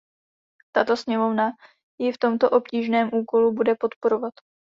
Tato sněmovna ji v tomto obtížném úkolu bude podporovat.